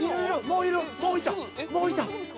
もういた！